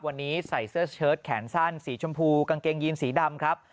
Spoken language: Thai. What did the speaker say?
วันนี้ใส่เสื้อเชิดแขนสั้นสีชมพูกางเกงยีนสีดำครับ